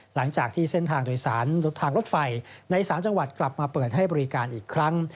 หลังจากที่เส้นทางโดยสารทางรถไฟใน๓จังหวัดกลับมาเปิดให้บริการอีกครั้ง